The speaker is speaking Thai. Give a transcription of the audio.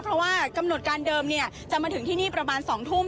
เพราะว่ากำหนดการเดิมจะมาถึงที่นี่ประมาณ๒ทุ่ม